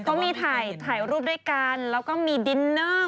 เขามีถ่ายรูปด้วยกันแล้วก็มีดินเนอร์